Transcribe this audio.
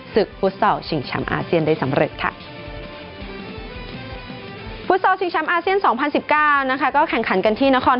ศึกฟุตเซากุล